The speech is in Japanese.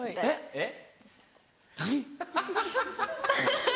えっ？